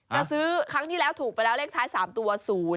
จะซื้อครั้งที่แล้วถูกไปแล้วเลขท้าย๓ตัว๐๕